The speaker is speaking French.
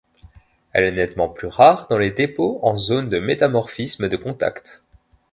Elle est nettement plus rare dans les dépôts en zones de métamorphisme de contact.